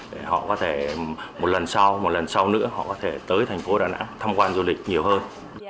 để họ có thể một lần sau một lần sau nữa họ có thể tới thành phố đà nẵng thăm quan du lịch nhiều hơn